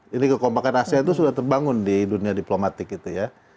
kalau yang kompak asean itu sudah terbangun di dunia diplomatik itu ya